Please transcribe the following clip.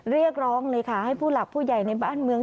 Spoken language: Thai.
เรียกร้องเลยค่ะให้ผู้หลักผู้ใหญ่ในบ้านเมือง